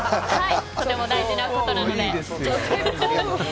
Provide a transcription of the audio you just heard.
とても大事なことなので。